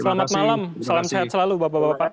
selamat malam salam sehat selalu bapak bapak